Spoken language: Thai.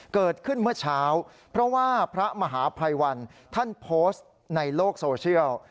เกิดขึ้นเมื่อเช้าเพราะว่าพระมหาภัยวันท่านโพสต์ในโลกโซเชียล